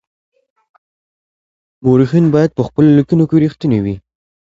مورخین باید په خپلو لیکنو کي رښتیني وي.